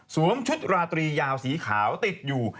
ชุดราตรียาวสีขาวติดอยู่